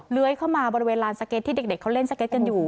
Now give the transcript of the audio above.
เลื้อยเข้ามาบริเวณลานสเก็ตที่เด็กเขาเล่นสเก็ตกันอยู่